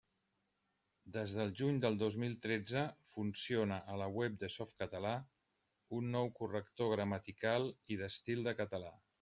Des del juny del dos mil tretze funciona a la web de Softcatalà un nou corrector gramatical i d'estil de català.